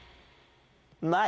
ない？